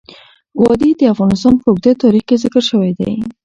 وادي د افغانستان په اوږده تاریخ کې ذکر شوی دی.